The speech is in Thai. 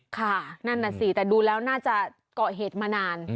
ค่ะนั่นน่ะสิแต่ดูแล้วน่าจะเกาะเหตุมานาน